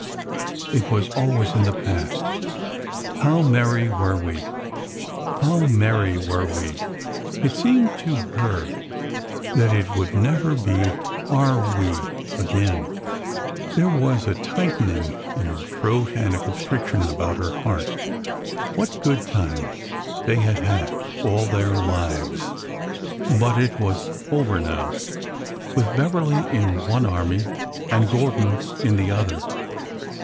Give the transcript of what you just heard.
It was al ways in the past. " How merry were we 1 how merry were we !" It ''OH, SISTER PHCEBE! 197 seemei! to her that it would never be are we again ! There was a tightening in her throat and a constric tion about her heart. What good times they had had all their lives! But — it was over now!— with Beverly in one army and Gordon in the other.